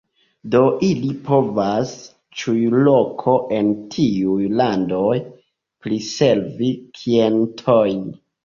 Do, ili povas ĉiuloke en tiuj landoj priservi klientojn.